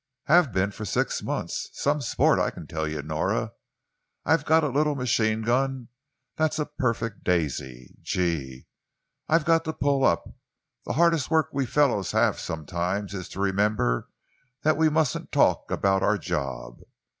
"Have been for six months. Some sport, I can tell you, Nora. I've got a little machine gun that's a perfect daisy. Gee! I've got to pull up. The hardest work we fellows have sometimes is to remember that we mustn't talk about our job.